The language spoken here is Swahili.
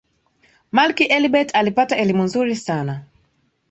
malki elibeth alipata elimu nzuri sana